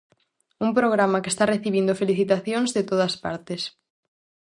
Un programa que está recibindo felicitacións de todas partes.